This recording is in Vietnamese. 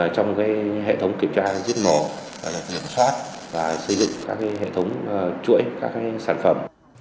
trong hệ thống kiểm tra diết ngộ nhập soát và xây dựng các hệ thống chuỗi các sản phẩm